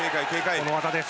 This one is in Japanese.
この技です。